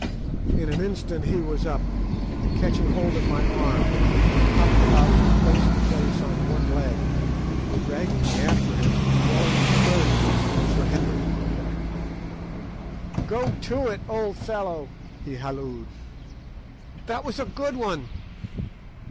In an instant he was up, and catching hold of my arm, hopped about from place to place on one leg, dragging me after him, and yelling encouragements to Sir Henry— "Go it, old fellow!" he hallooed. "That was a good one!